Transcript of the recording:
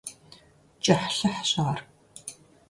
КӀыхьлъыхьщ ар…